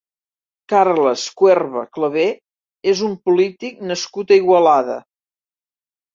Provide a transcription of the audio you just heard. Carles Cuerva Claver és un polític nascut a Igualada.